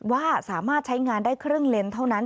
ว่าสามารถใช้งานได้ครึ่งเลนส์เท่านั้น